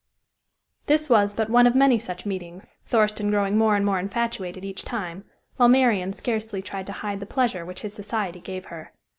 This was but one of many such meetings, Thurston growing more and more infatuated each time, while Marian scarcely tried to hide the pleasure which his society gave her.